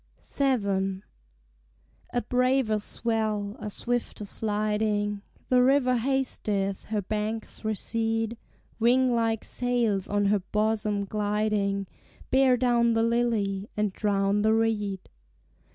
VII. A braver swell, a swifter sliding; The river hasteth, her banks recede; Wing like sails on her bosom gliding Bear down the lily, and drown the reed.